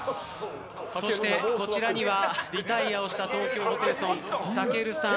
そしてこちらにはリタイアをした東京ホテイソンたけるさん